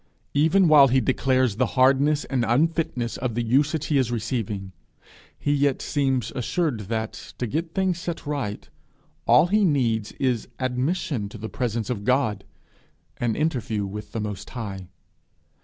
Even while he declares the hardness and unfitness of the usage he is receiving, he yet seems assured that, to get things set right, all he needs is admission to the presence of God an interview with the Most High.